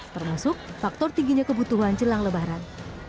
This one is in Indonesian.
termasuk faktor tingginya kebutuhan jelang lebaran